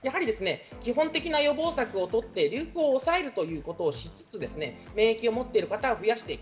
基本的な予防策をとって、流行を抑えるということをしつつ免疫を持っている方を増やしていく。